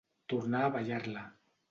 Tornar a ballar-la.